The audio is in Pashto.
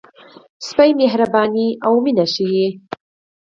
سپي مهرباني او مینه ښيي.